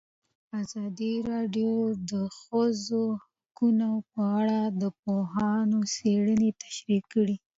ازادي راډیو د د ښځو حقونه په اړه د پوهانو څېړنې تشریح کړې.